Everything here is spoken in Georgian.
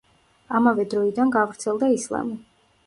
ამავე დროიდან გავრცელდა ისლამი.